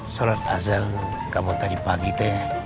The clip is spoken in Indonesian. sholat azan kamu tadi pagi teh